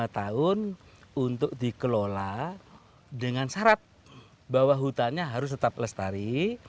lima tahun untuk dikelola dengan syarat bahwa hutannya harus tetap lestari